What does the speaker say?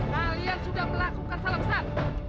kalian sudah melakukan salah besar